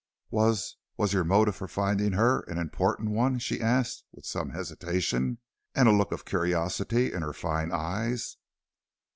"Was was your motive for finding her an important one?" she asked, with some hesitation, and a look of curiosity in her fine eyes.